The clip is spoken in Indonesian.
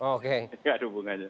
oke enggak ada hubungannya